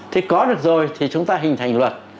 thì có được rồi thì chúng ta hình thành luật